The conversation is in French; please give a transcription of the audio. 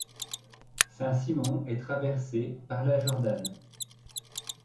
Saint-Simon est traversé par la Jordanne.